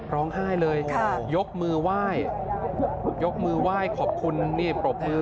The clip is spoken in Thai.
ร้องไห้เลยยกมือไหว้ยกมือไหว้ขอบคุณนี่ปรบมือ